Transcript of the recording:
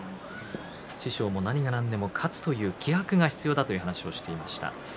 師匠も何が何でも勝つという気迫が必要だという話をしていました。